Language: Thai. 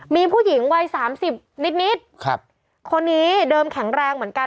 มีผู้หญิงวัย๓๐นิดคนนี้เดิมแข็งแรงเหมือนกัน